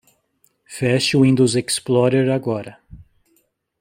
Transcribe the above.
Feche o Windows Explorer agora.